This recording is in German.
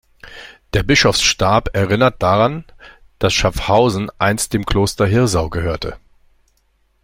Der Bischofsstab erinnert daran, dass Schafhausen einst dem Kloster Hirsau gehörte.